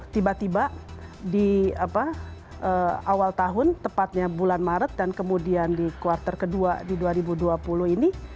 tiba tiba di awal tahun tepatnya bulan maret dan kemudian di kuartal kedua di dua ribu dua puluh ini